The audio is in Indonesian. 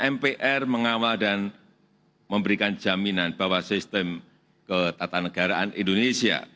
mpr mengawal dan memberikan jaminan bahwa sistem ketatanegaraan indonesia